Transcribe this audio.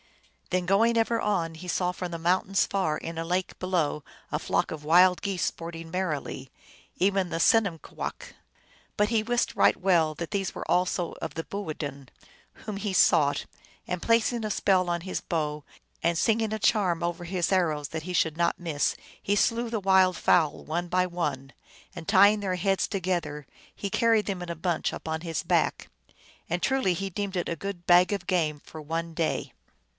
" Then going ever on, he saw from the mountains far in a lake below a flock of wild geese sporting merrily, even the Senum kwak\ But he wist right well that these also were of the boo din, whom ha sought, and placing a spell on his bow, and singing a charm over his arrows that they should not miss, he slew the wild fowl one by one, and tying their heads together, he carried them in a bunch upon his back. And truly he deemed it a good bag of game for one day.